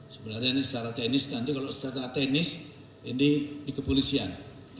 sebenarnya ini secara teknis nanti kalau secara teknis ini di kepolisian